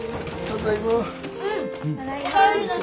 ただいま。